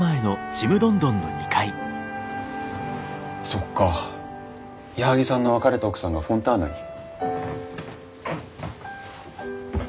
そっか矢作さんの別れた奥さんがフォンターナに。